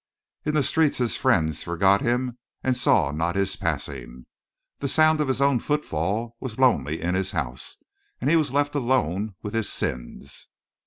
"In the streets his friends forgot him and saw not his passing. The sound of his own footfall was lonely in his house, and he was left alone with his sins.